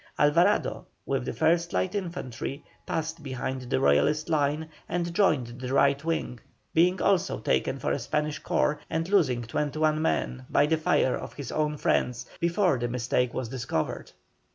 Alvarado, with the 1st Light Infantry, passed behind the Royalist line and joined the right wing, being also taken for a Spanish corps and losing twenty one men by the fire of his own friends before the mistake was discovered.